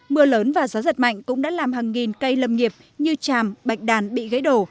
mưa lớn và gió giật mạnh cũng đã làm hàng nghìn cây lâm nghiệp như tràm bạch đàn bị gãy đổ